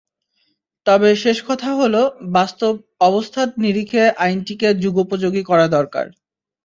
তবে শেষ কথা হলো, বাস্তব অবস্থার নিরিখে আইনটিকে যুগোপযোগী করা দরকার।